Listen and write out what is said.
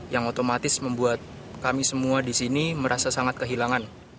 yang otomatis membuat kami semua di sini merasa sangat kehilangan